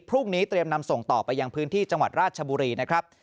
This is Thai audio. พรุ่งนี้เตรียมนำส่งต่อไปยังพื้นที่จังหวัดราชบุรีนะครับ